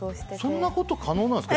そんなこと可能なんですか？